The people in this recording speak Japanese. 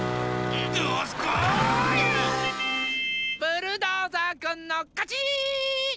ブルドーザーくんのかち！